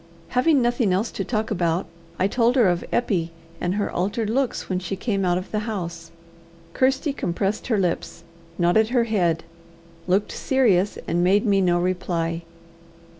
Having nothing else to talk about, I told her of Eppie, and her altered looks when she came out of the house. Kirsty compressed her lips, nodded her head, looked serious, and made me no reply.